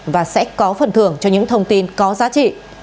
và sẽ có phần thưởng cho những thông tin có giá trị